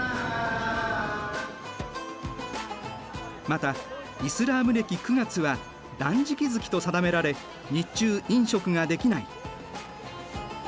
またイスラーム暦９月は断食月と定められ日中飲食ができない。